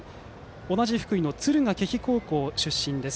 同じ福井の敦賀気比高校の出身です。